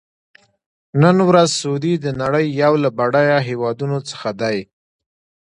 نن ورځ سعودي د نړۍ یو له بډایه هېوادونو څخه دی.